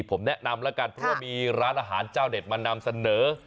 ผมแนะนำแล้วกันเพราะว่ามีร้านอาหารเจ้าเด็ดมานำเสนอ